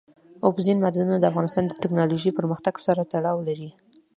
اوبزین معدنونه د افغانستان د تکنالوژۍ پرمختګ سره تړاو لري.